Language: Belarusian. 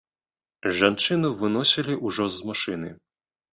Жанчыну выносілі ўжо з машыны.